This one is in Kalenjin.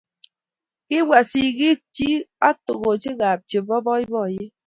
Kibwa sigikchi ak togochikab chebo boiboiyet